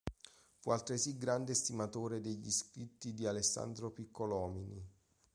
Fu altresì grande estimatore degli scritti di Alessandro Piccolomini.